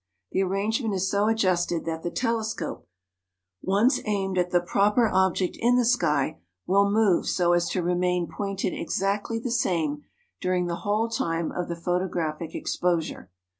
The arrangement is so adjusted that the telescope, once aimed at the proper object in the sky, will move so as to remain pointed exactly the same during the whole time of the photographic exposure.